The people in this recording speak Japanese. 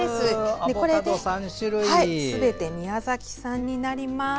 すべて宮崎産になります。